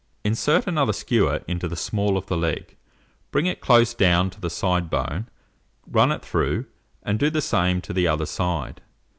Insert another skewer into the small of the leg, bring it close down to the side bone, run it through, and do the same to the other side.